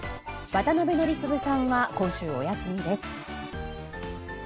渡辺宜嗣さんは今週お休みです。